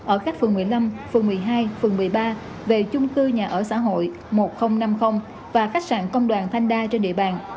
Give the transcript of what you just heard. ở các phường một mươi năm phường một mươi hai phường một mươi ba về chung cư nhà ở xã hội một nghìn năm mươi và khách sạn công đoàn thanh đa trên địa bàn